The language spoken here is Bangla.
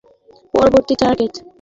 সে হতে পারে পরবর্তী টার্গেট।